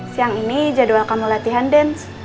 siang ini jadwal kamu latihan dance